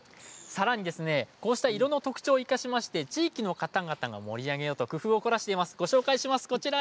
こうした色の特徴を生かしまして地域の皆さんが盛り上げようと工夫を凝らしています。